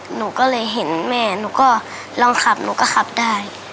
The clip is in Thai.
หนูก็เลยเห็นแม่หนูก็ลองขับหนูก็ขับได้